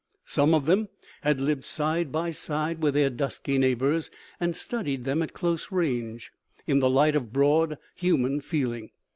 Some of them had lived side by side with their dusky neighbors, and studied them at close range, in the light of broad human feeling.